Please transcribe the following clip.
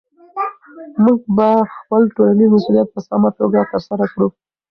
موږ به خپل ټولنیز مسؤلیت په سمه توګه ترسره کړو.